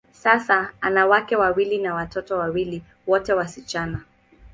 Sasa, ana wake wawili na watoto wawili, wote wasichana.